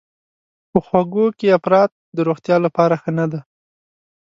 په خوږو کې افراط د روغتیا لپاره ښه نه دی.